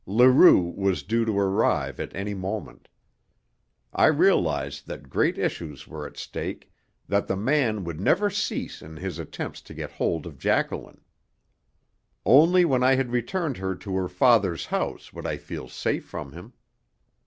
Leroux was due to arrive at any moment. I realized that great issues were at stake, that the man would never cease in his attempts to get hold of Jacqueline. Only when I had returned her to her father's house would I feel safe from him.